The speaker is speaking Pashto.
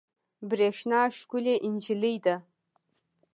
برېښنا ښکلې انجلۍ ده